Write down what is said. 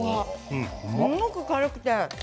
すごく軽くて。